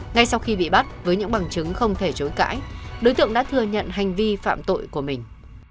ngay sau khi bị bắt với những bằng chứng không thể chối cãi đối tượng đã thừa nhận hành vi phạm tội của mình